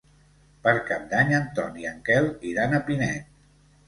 Per Cap d'Any en Ton i en Quel iran a Pinet.